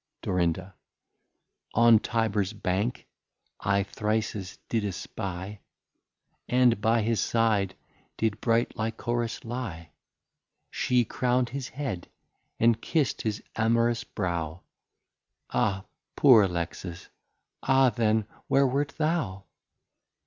Dor. On Tyber's Bank I Thyrsis did espie, And by his side did bright Lycoris lie; She Crown'd his Head, and Kist his amorous Brow, Ah Poor Alexis! Ah then where wer't thou?